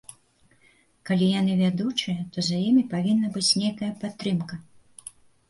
Калі яны вядучыя, то за імі павінна быць нейкая падтрымка.